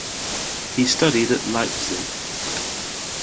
He studied at Leipzig.